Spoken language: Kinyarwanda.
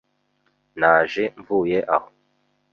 Naje mvuye aho.